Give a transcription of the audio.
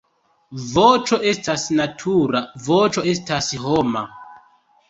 Voĉo estas natura, voĉo estas homa.